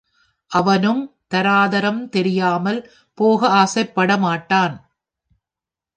அவனும் தராதரம் தெரியாமல் போக ஆசைப்பட மாட்டான்.